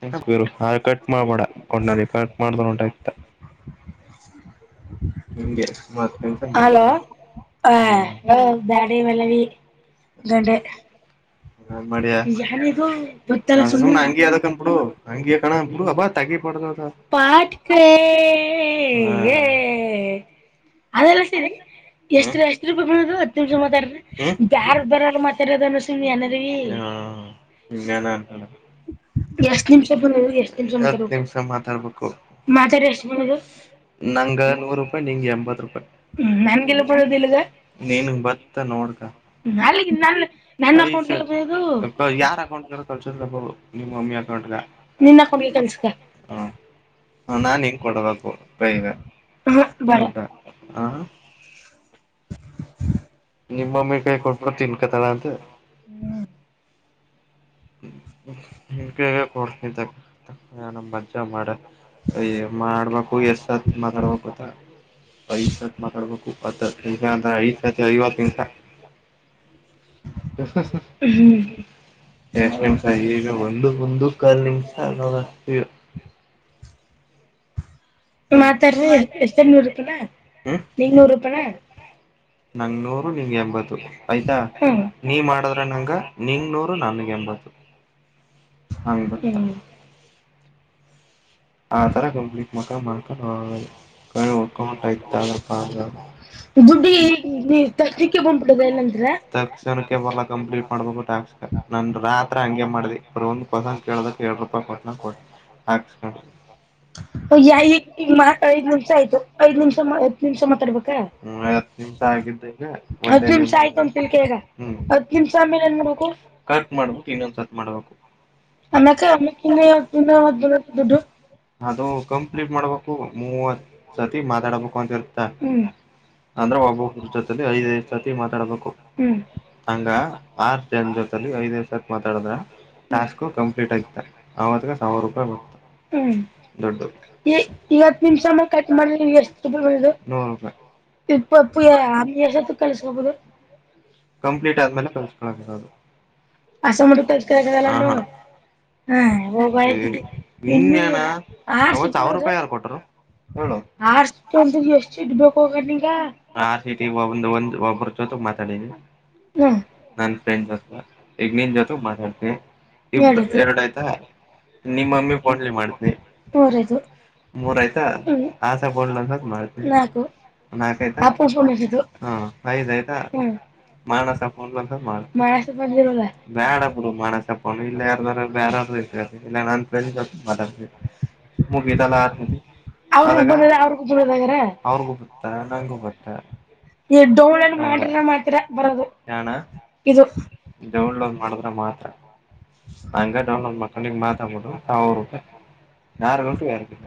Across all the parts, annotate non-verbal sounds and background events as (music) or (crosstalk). ತಂಕ್ಸ್ ಗುರು ಹರ್ಟೇಕ್ ಮಾಡ್ಬೇಡ ಒಟ್ನಲಿ ಕಟ್ ಮಾಡ್ದ ಉಂಟಾಗ್ತ (unintelligible) ಹಿಂಗೆ ಮಾಡ್ಯಕಂತ ಹಲೊ ಎೌ (inaudible) ಬಾಡ ಮಲ್ಲರಿ ಗಂಡ್ರೆ ಹಾನ್ ಮಾಡಿಯ ಯಾರಿಇದು ಬತ್ತರ ಹು ಹಂಗೆ ಅದ್ಕಣ್ ಬಿಡು ಹಂಗೆ ಕಣ್ ಬಿಡು ಅಮ್ಮತ್ ತಗಿಬಡ್ದ್ ಅದ ತಾಟ್ಕೇಹೇಎಎ ಅದೆಲ್ಲ ಸೀರಿ ಎಷ್ಟ ಎಷ್ಟ ರೀ ಬದು ಹತ್ತು ನಿಮ್ ಮಾತಾಡ್ರಿ ಬಾರ ಬರ ಮಾತಾಡೋದ ಅನಸುಮಿ ಏಾರೀ ಹ ಹ ಅಂತ ಎಷ್ಟ್ ನಿಮಿಷ ಬದು ಎಷ್ಟ ನಿಮಿಷ ನಿ ಮಾತಾಡ್ಬೇಕು ನಂಗ ನೂರು ರೂಪಾಯಿ ನಿಂ ಎಂಬತ್ ರೂಪಾಯಿ ನನ್ಗೆಲ್ಲ ಬಡದಿಲ್ಲದ ನೀನು ಬತ್ತ ನೋಡತ ಅಲ್ಲಿ ನ ನ ಅಕೌಂಟ್ ಇರ್ಬೋದು ಯಕೌಂ ಕಲ್ಸ ಬ ನಿ ಮಮ್ಮಿ ಹಕಸ ಹ ನಾನ್ ಹಂಗ್ ಕೊಡಬೇಕು ಕೈಗ ಹ ನಿಮ್ಮಮ್ಮಿ ಕಾಯಿ ಕೊಟ್ಕೊಡ್ತನ್ ಕತಳ ಅಂತ ಕೊಡ್ತಿದ್ದ ನಾನ ಮಜ್ಜಾ ಮಾಡ ಅಯ್ಯ ಮಾಡ್ಬೇಕು ಎಷ್ಟ ಆತ್ ಮಾತಾಡ್ಬೇಕುತ್ತ ಐಸತ್ ಮಾತಾಡ್ಬೇಕು ಐ ಐವತ್ತು ನಿಿವಸ ಶಷಂ ಸ ಈಗ ಬಂದು ಒಂದು ಕಾಲ್ ನಿಮ್ಸ ಆಗಾಗ್ತ ಮಾತಾಡ್ರಿ ಎಷ್ಟ ನೂರ್ಪನಾ ಹ್ಮೂರು ರೂಪ ನಂಗೂರು ಎಂಬತ್ತು ಆಯ್ತಾ ನೀ ಮಾಡದ್ರ ನಂಗ ನಿಂಗ ನೂರು ನನ್ಗ್ ಎಂಬತ್ತು ಹ ಆ ತರ ಕಂಪ್ ಮಕ್ಕಕಂಟಯ್ತ ದು ಈ ತ ಬಬಿಏ ತಕ್ಷಣಕ್ಕೆ ಬ ಕಂಪ್ಲೀಟ್ ಮಾಡ್ಬು ತಕ್ಷಣ ನ ರಾ ಹ ಬರ ಒಂದು ಪಸಂಗ ಕೇಳ್ದಕ್ ಎರಡ್ ರೂಪಾಯಿ ಕೊಟ್ಟನ ಕೊ ಯ ಈ ಇ ಮಾರ್ ಐದ್ ನಿಮಿಷ ಆಯ್ತು ಐದ್ ನಿಮಿಷ ನಿಮಿಷ ಮಾತಾಡ್ಬೇಕ ನಿಮ ಆ ಹತ್ತು ನಿಮಿಷ ಆಯ್ತು ಈಗ ಹತ್ತು ನಿಮಿಷ ಆಮೇಲೆ ಏನ್ ಮಾಡ್ಬೇಕು ಕಟ್ ಮಾಡ್ು ಇನ್ನೊಂದ್ಸ ಮಾಡಬೇಕು ಅದು ಕಂಪ್ಲೀಟ್ ಮಾಡ್ಬೇಕು ಮೂವ ಸತಿ ಮಾತಾಡಬೇಕು ಅಂತ ಇರ್ತ ಅಂದ್ರೆ ಒಬ್ಬಬ್ಬ್ರ ಜೊತಲಿ ಐದೈದು ಜತಿ ಮಾತಾಡ್ಬೇಕು ಹಂಗ ಆರ್ ಜನ ಜೊತಲಿ ಐದ್ ದಿವ್ಸಕ್ಕೆ ಮಾತಾಡದ್ರ ಟಾಸ್ಕ್ು ಕಂಪ್ಲೀಟ್ ಆಗ್ತ ಅವತ್ಾಗ ಸಾವಿರ ರೂಪಾಯಿ ಬತ ದೊಡ್ ಈತ್ತು ನಿಮಿಷ ಕಟ್ ಮಾಡ ಎಷ್ಟ ನ ಪ್ಪ ಕಬುದು ಕಂಟ್ ಆದ್ಮೇಲೆ ಕಕ ಅ ಮ ಕಷ್ಟಕಲ್ಲ ಹೋಗ ಇ ಏನ ಸಾವಿರ ರೂಪಾಯಿಾರ ಕೊಟರು ಆ ಎಷ್ಟ ಇಟ್ ಬೇಕುೋಗಗ ಆ ಒ ಒ ಜೊತೆ ಮಾತಾಡನಿ ನ ಫ್ರೆಂಡ್ೊ ಇಗ್ನನ್್ ಜೊತೆ ಮಾತಾಡ್ತೀನಿ ಎರಡು ಆಯ್ತಾ ನಿಮ್ಮಮ್ಮಿ ಫೋನ್ಲಿ ಮಾಡ್ತನಿ ಮೂರ್ ಆಯ್ತಾ ಆಸ ಬೋಡ್ಂದಸತ್ ಮಾಡ್ತ ನಾಕಾಯ್ತ ಹ ಐದಯ್ತಾ ಮಾನಸಪ್ಪಂತ ಮಾಡ ಬೇಡ ಬರು ಮಾನಸಪ್ಪ ಇಲ್ಲ ಯಾರಾರ ಬ ಇಲ್ಲ ನಾನಫ್ರ ಮುಗಲ್ಲ ಆ ಅವ್ರಗೂ ಅವ್ರಿಗೂಳ್ಳದ್ರ ಅವ್ರಿಗೂ ಗೊತ್ತ ನಂಗಗೂ ಗೊತ್ತ ಈ ಡೋಳನ್ ಮಾಡನ ಮಾತ್ರ ಜಾಣ ಇದು ಡೌನ್ಲೋಡ್ ಮಾಡಿದ್ರೆ ಮಾತ್ರ ಹಂಗ ಅವೊಂದ ಮಕ್ಕಂಡಿಗೆ ಮಾತಾಗ್ಬಿು ಅವರು ಯಾರುಗಟು ಯಾರಕ್ಕ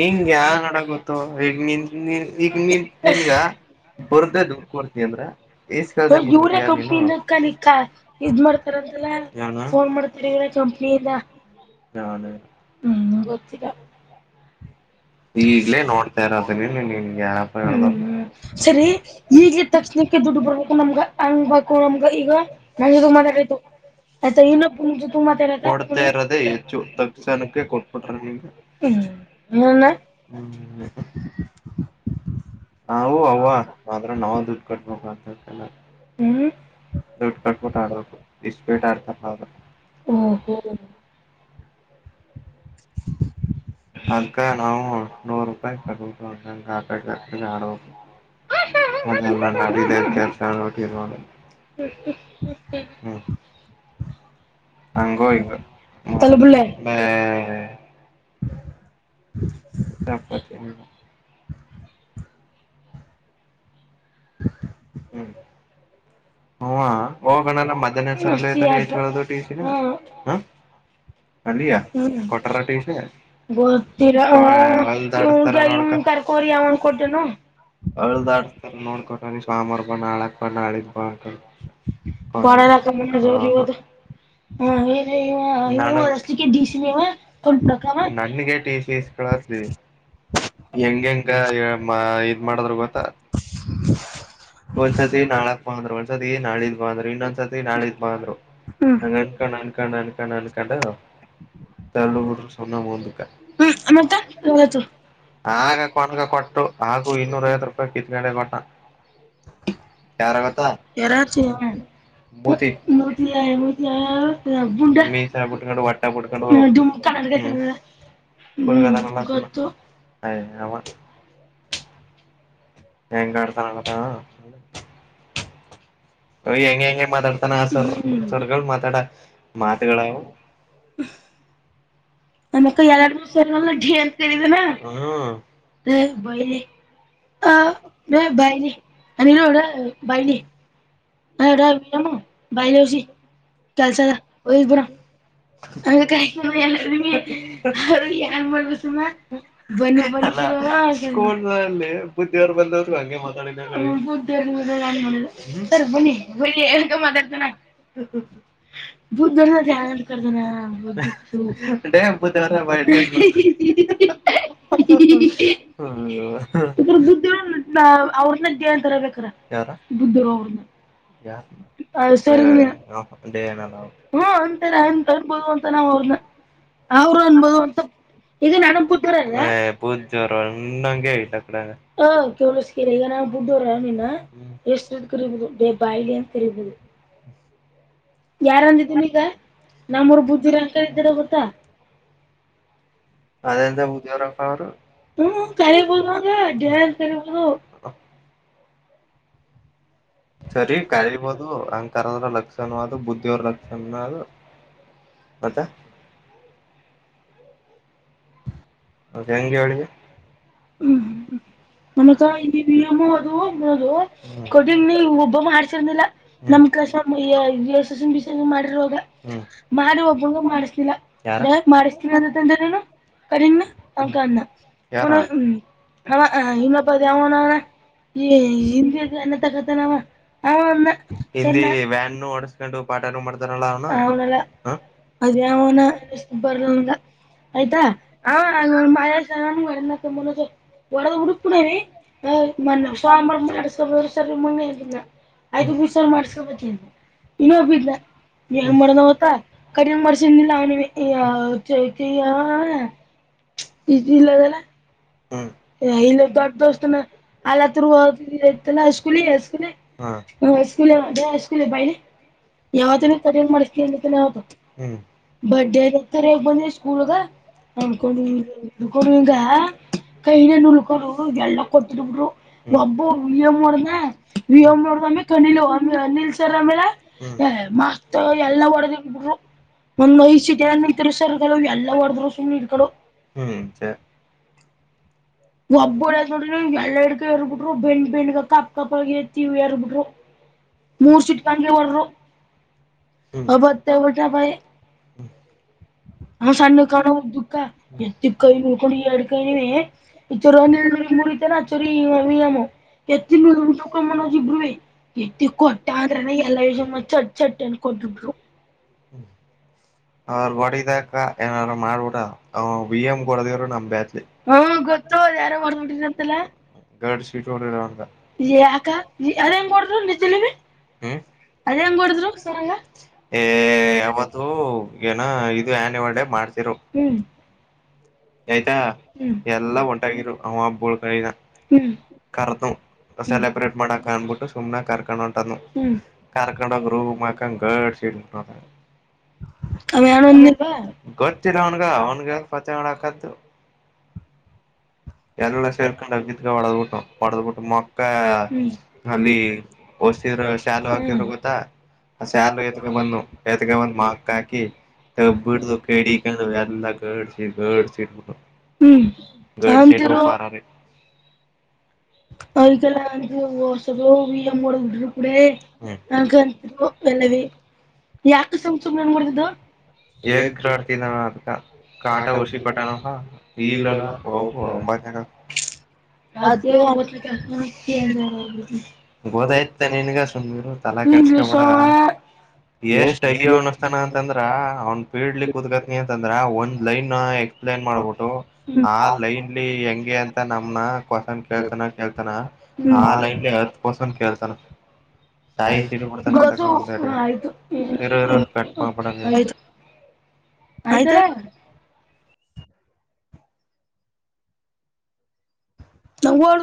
ನಿನ್ ಯ ನಡ ಗೊತ್ತೋ ಹೆಗ್ ನಿನ್ ಈಗ ನೀಗ ಬರ್ದೇಡ್ಕಡ್ತಿ ಅಂದ್ರ ಕಿಕಾ ಮಾಡ್ತಾರ ಮಾಡತ ಕಂಪನಿಯೊಲ್ಲ ಈಗ್ಲೇ ನೋಡ್ತಾ ಇರೋದ ನೀ ನಿನ್ಗೆ ಯಪ ಹೇಳ್ದ ಸರಿ ಈಗ್ ತಕ್ಷಣಕ್ಕೆ ದುಡ್ಡು ಬರ್ಬೇಕು ನಮ್ಗ ಹಂಗ್ಬೇಕು ನಮ್ಗ ಈಗ ಮಾತಾಡ್ ಆಯ್ ಇನ್ನ ಪು ತು ಮಾತ್ತ ಕೊಡ್ತ ಇರೋದೆೇ ಹೆಚ್ಚು ತಕ್ಷಣಕ್ಕೆ ಕೊಟ್ಬಿಟ್ರಿ ನೀ ಇ ಹವು ಅವ್ ಮಾತ್ರ ನಾವ ದುಡ್ ಕಟ್ಬೇಕು ಅಂತಲ್ಲ ದುಡ್ಡು ಕಟ್ಬಿಟ್ಟ ಆಬೇಕು ಇಸಬೇಟ್ಟ ಆತ ಹ ಅದ್ಕ ನಾವು ನೂ ರೂಪಾಯಿ ಕುದುಕ ಆಡುದು ಅಲ್ಲ ನಡಿದೆ ಕೆಲ್ಸ ನೋಡಿ ಹ್ಮ ಹಂಗ ತಪ ಹ್ಮ್ ಹ ಹೋಗೋಣ ನ ಮಧ್ಯಾಹ್ನ ಸ ಳಟಸ ಹ ಅಲ್ಲಿಯಾ ಕೊಟ್ಟಾರ ಟಷ ನೋ ಪಾಮರ್ ಬ ಅಳೊಂಡ ಅಡ ಬಟ ಪಳಲ್ಲ ಕಮ ಜದು ಹ ನನ್ಗೆ ಟ ಸಿಲಿ ಹೆಂಗ ಹೆಂಗ ಇದ್ ಮಾಡದ್ರ ಗೊತ್ತಾ ಒಂದ್ಸತಿ ನಾಳಕ್ ಬಂದ್ರು ಒಂದ್ಸತಿ ನಾಳಿದ್ ಬಂದ್ರು ಇನ್ನೊಂದ್ಸತಿ ನಾಳಿದ್ ಬಾಂದ್ರು ಅ ಕಣನ್ ಕಣನ್ ಕಣನ್ ಕೊಂಡ ತ ಬಿಡ ಸಂದುಕ್ಕ ಆಗ ಕೊನ್ಗ ಕೊಟ್ಟು ಹಾಗು ಇನ್ನೂರ ಐವತ್ ರೂಪಾಯಿ ಕಿತ್ಗಡೆ ಕೊಟ್ಟ ಯಾರಾಗತ್ತಾ ು (unintelligible) ಪುಕ (inaudible) ಎಂಗ ಅಡ್ತಾನಲ್ಲದಾ ಹೆಂಗಗೆ ಹೆಂಗ ಮಾತಾಡ್ತಾನಾವರ್ ಮಾತಾಡ ಮಾತಗಳಾವ ಅ ಕ ಎಾರಡು ಸಲ್ಲ ತ್ ಬ ಆ ಬೈಲಿಡ ಬೈಲಿ ಹಡರಾಮ ಬೈಸ ಚಲ್ಸ ಉಬರ ಅ ಕ ಸಮಲ್ಲ ಯಾರ ಮಾಡಬ ಸು ಬ ಹ ಅ ಬುದ್ಯವ ಬಂದವ್ರಗ ಹಂಗೆ ಮಾತಾಡಿಲ್ಲ ಸ ಬನ್ನಿ ಬನ್ನಿ ಎನ ಮಾತಾಡ್ತಾನ. ಚ ಆ ಬ (inaudible) (inaudible) ಬುದ್ಧಿ ಅವ್ರನನ್ ತರಬೇಕಾರ (inaudible) ಹ್ಮ ಅಂತೆಲ್ಲ ಅಏನ್ ಕರ್ಬೋದು ಅಂತ ನಾ್ ಅವ್ರ ಅವರು ಒಂದಸ ಈಗ ನನಗ್ ಕಟ್ಟರಲ್ಲ ಬುದ್ಧವ್ಣಂಗಗೆ ಇಲ್ಲಡೆ ಹ ಕೇಳಿಸಕೀರಿ ಈಗ ನಾ ಬುದ್ಧವರಿನ ಎಷ್ಟ ಕುರಿಬಹುದು ಬೇ ಬಾಯ್ಲಿ ಅಂತ ಕರಿಬಹುದು ಯಾರಂದಿದನ ಈಗ ನಮ್ಮೂರ್ ಬುಜಜೂರ ಅಕಿದ್ದಾರ ಗೊತ್ತ ಅದೇಂತ ಪುದಿಯವರಫ ಅವರು ಹ್ಮ್ ಕರೆ ಬಲದ ಕ ಬ ಸರಿ ಕಾಯ ಬಹುದು ಅ. ಕರದ್ರ ಲಕ್ಷನ ಅದು ಬುದ್ಧಿಯವರ ಲಕ್ಷಣನ ಅದು ಮತ್ತೆ. ಅದ ಹೆಂಗೆ ಹೇಳೆ. ಹ್ಮ್ ಹ್ಮ್ ಹ್ಮ್. ನಮಕ ಈದುದು ಕೊಡ ನೀ ಒಬ್ಬ ಮಾಡ್ಸರ್ದಿಲ್ಲ ನಮ. ಸ ಯಸಸನ್ ಬಿಸಸ ಮಾಡಿರಾಗ ಮಾಡ ಒಬ್ಬಂಗ ಮಾಡಿಸಲಿಲ್ಲ. ಯಕ್ ಮಾಡಿಸ್ತೀವಿ ಅಂದಂದ್ರೆ ನಾನನು ಕರಿನು. ಅವಕಾಂದ ಅವ ಹ್ಮ್ ಅವ ಇವನ್ನ ಪತ ಯ ನಾನ. ಏ ಹ ಎನ್ನ ತೋಕೋತಾನ. ಇ ವ್ಯಾನ್ ಓಡಸ್ಕೊಂಡು ಪಾಠ ಮಾಡ್ತಾರಲ್ಲ ಅವನ ಅವನಲ್ಲ. ಅಡೆವ್ನ ಬರ್ಲಂದ ಆಯ್ತಾ ಹ. ನಾ ಮಸನಕ್ಕೆ ಒಡದ ಉಡುಕಡವೇ. ಹ ಸಾಂಬಾರ ಮಾಡ ಸ ಮು. ಐದ ಮೂರುಸ ಮಾಡಸ್ಕೊಬತ ಇನ್ನೊಬ್ಬಿದ್ದ. ವ ಮರನ ಹೊತ ಕಡಿಮ ಮರ್ಷಿ ಲಾವಣ ಯ ಚತಿ. ಇಷ್ಟದಿಲ್ವಾಲ. ಹ್ಮ್ ಇಲ್ಲ ದೊಡ್ಡ ದೋಸ್ತನ ಅಲತ್ತರ್ ಹ ಇತ್ತಲ್ಲ ಸ್ಕೂಲಿ ಎ ಸ್ಕೂಲಿ. ಹ ಹೈಸ್ಕೂಲ್ ಹೈಸ್ಕೂಲ್ ಬೈಲಿ. ಯಾವತ್ತಿನ ಕರಿಂಗ್ ಮಾಡ ಅ ಯದು. ಬರ್ಡೇತರ ಬಂದಿ ಸ್ಕೂಲ್ಗ ನಕೊಂಡ ನಕೊಂಡ. ಕೈನ ನುಳ್ಕೋ ಎಲ್ಲಾ ಕೊತಿರ್ರು ಒಬ್ಬು ವಿಯೋಡ್ದ ವಿಯೋಡ್ದ. ಮ್ಮಿ ಕಣಿಲ್ ಅಮ್ಮ ಅನಿಲ್ ಸರ್ಮೇಲೆ ಮಸ್ತ್ ಎಲ್ಲಾ ಒಡದ ಬಿರು. ಒಂದ್ ಐಸ ನಿ ತಿರ್ಸರ್ ಎಲ್ಲ ಹೊಡದ್ರು ಸು ಇಡ್ಕಡು. ಹ್ಮ್ ಛೇ. ಹ (unintelligible) ಒಬ್ಬಡ್ಯ್ ನೋಡ್ರಿ ಎಳ್ಳೆಡ್ಗ ಎರ್ ಬಿಟ್ರು ಬೆಂಡ್ ಬೆಣ್ಗ ಕಪ್ ಕಪಗತಿವಿ ಎರ್ದ ಬಿಟ್ರು. ಮೂರ್ ಸೀಟ್ ಕಂಗೆ ಹೊರ್ರು. ಅಬತ್ತ ಒಟ ಬ. ಹ ಸಣ್ಣ ಕಾಣೋಗ ದುಃಖ ಹೆತ್ತ ಕೈ ನೋಡ್ಕೊಂಡಿ ಎರಡ್ ಕೈ ಇರ. ಮುಡಿತ ನಚುರಿ ನಾಮ. ಎತಿ ಮುಕ ಮನೋ ಜಿಬ್ರವ ಎತಿ ಕೊಟ್ಟಾ ಅಗ್ರ ಯಲ್ಲ ಯಜಮ್ಮ ಚಟ್ ಚಟ್ಟ ಕೊಟ್ಟ. (inaudible) ಅವ (inaudible) ಮಾಡ್ಬಿ ಬಿ ಎ ಕೊಡವ ನ್. ಹೊಡೆದ ಬಿಟ್ಟಿದ್ರಂತಲ. ಗ ಅದ ಹೆಂಗ ಹೊಡ್ರ ನಿಜಲಿ. ಅಡೆನ್ಹೆಂಗ್ ಹೋದ್ರು. ಏ ಅದು ಅವತ್ತು ಏನಾಯ್ತು. ದು ಆನೆ ಒಳ್ಳೆ ಮಾಡ್ತಿರು. ಆಯ್ತಾ ಎಲ್ಲಾ ಒಂಟಾಗಿರು ಅವ ಹಬ್ಬಳ ಇವಾ. ಕರ್ದು ಸೆಲೆಬ್ರೇಟ್ ಮಾಡಕ್ ಅನ್ಬಿಟ್ಟು ಸುಮ್ಕ್. ಕಾರ್ಕೊಂಡು ಉಟಾನ ಕಾರ್ಕೊಂಡು ಗ ರೂಮಕನ್ಡ ಗಡ್ ಸೀ ಗೊತ್ತಿಲ್ಲ ಅವನ್ಗ ಅವನ್ಗ ತ್ತ. ಪತ್ತು. ಎಲ್ಲಲ್ಲ ಸೇರ್ಕೊಂಡ ಗತ್ಗ ಹೊಡೆದ್ಬಿಟ್ಟು ಹೊಡೆದ್ಬಿಟ್ಟು ಮೊಕ್ಕ ಅಲ್ಲಿ. ಔಸ್ರ ಶಾಲು ಹಾಕಿರ್ ಗೊತ್ತಾ. ಆ ಶಲು ಎತ್ಕ ಬಂದು ಎತ್ಕ ಬಂದು ಮಾಕ್ ಹಾಕಿ. ತಬ್ಬರ ಕಡಿಕ ಎಲ್ಲ ಗಡ್ಸಿಿ ಗಡ್. ಗಾರ (inaudible) ಆಯ್ತಲ್ಲ ಅ ವರ್ಷ (unintelligible) (unintelligible) ಯಾಕೆ ಸುಮ್ಸುಮ್ಮೆ ಹಂಗ ಒಡ್ಡಿದ್ (unintelligible) ಆಟ ಹ (unintelligible) ಒಂಬತ್ ಜನ (unintelligible) ಗೋದಾಯ್ತ ನಿನ್ಗ ಸುಮೀರು ತಲಕೆಡಸಕೋಬೇಡ ಎಷ್ಟ್ ಅಯ್ಯ ಅನಿಸ್ತಾನ ಅಂತಂದ್ರ ಅವ್ನ್ ಪೀಡ್ಲಿ ಕೂತ್ಕತ್ನಿ ಅಂತಂದ್ರ ಒಂದ ಲೈನ ಎಕ್ಸ್ಪ್ಲೈನ್ ಮಾಡ್ಬಿಟ್ಟು ಆ ಲೈನ್ಲಿ ಹೆಂಗೆ ಅಂತ ನಮ್ನ ಕ್ವೆಶನ್ ಕೇಳ್ತನ ಕೇಳ್ತಾನ ಆ ಲೈನ್ಲ್ಲಿ ಹತ್ತು ಕ್ವೆಷನ್ ಕೇಳ್ತಾನ ತಾಯಿ ಸೀಳಬಿಡ್ತನ ಇರು ಇರು ಕಟ್ ಮಾಡ್ಬೇಡ ಆಯ್ತನಾ (unintelligible)